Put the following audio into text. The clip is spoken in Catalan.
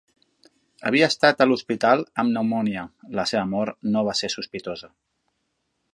Havia estat a l'hospital amb pneumònia, la seva mort no va ser sospitosa.